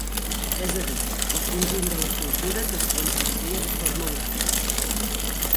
És a dir, el conjunt de la cultura que es transmetia de forma oral.